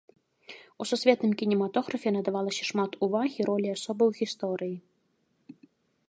У сусветным кінематографе надавалася шмат увагі ролі асобы ў гісторыі.